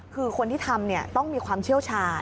คือคนที่ทำต้องมีความเชี่ยวชาญ